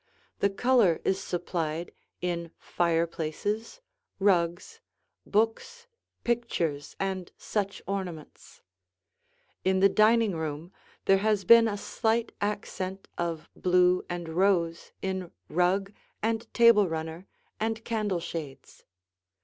The color is supplied in fireplaces, rugs, books, pictures, and such ornaments. In the dining room, there has been a slight accent of blue and rose in rug and table runner and candle shades.